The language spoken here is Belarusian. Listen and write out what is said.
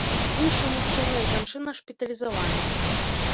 Іншы мужчына і жанчына шпіталізаваныя.